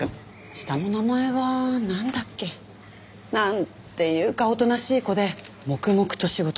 下の名前はなんだっけ？なんていうかおとなしい子で黙々と仕事してた。